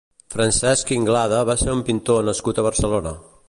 Francesc Inglada va ser un pintor nascut a Barcelona.